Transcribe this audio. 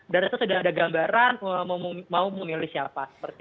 itu sudah ada gambaran mau memilih siapa